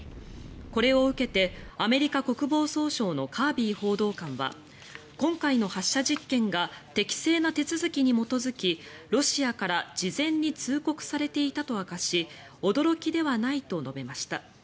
これを受けてアメリカ国防総省のカービー報道官は今回の発射実験が適正な手続きに基づきロシアから事前に通告されていたと明かし驚きではないと述べました。